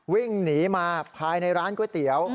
วิ่งหนีมาภายในร้านก๋วยเตี๋ยว